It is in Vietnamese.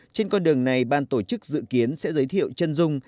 trên con đường này ban tổ chức dự kiến sẽ giới thiệu chân dung